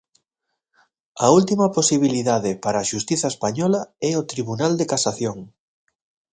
A última posibilidade para a Xustiza española é o Tribunal de Casación.